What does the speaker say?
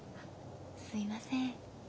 すいません。